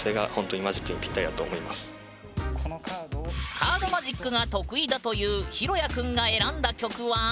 カードマジックが得意だというひろやくんが選んだ曲は。